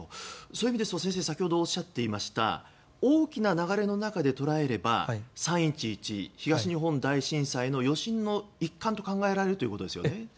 そういう意味で、先生が先ほどおっしゃっていまいた大きな流れの中で捉えれば３・１１、東日本大震災の余震の一環と考えられるということですよね。